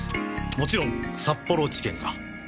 もちろん札幌地検が。